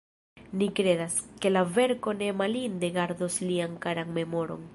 Ni kredas, ke la verko ne malinde gardos lian karan memoron.